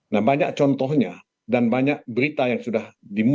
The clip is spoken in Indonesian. nah banyak contohnya dan banyak berita yang sudah dimulai